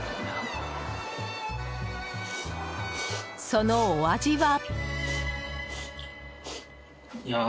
そのお味は？